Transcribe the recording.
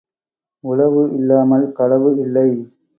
உளவு இல்லாமல் களவு இல்லை.